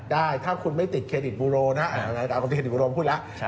ได้ถ้าคุณไม่ติดเครดิตบุโรนะอาจารย์ติดบุโรพูดแล้ว